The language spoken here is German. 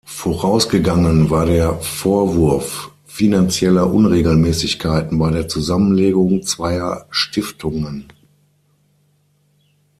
Vorausgegangen war der Vorwurf finanzieller Unregelmäßigkeiten bei der Zusammenlegung zweier Stiftungen.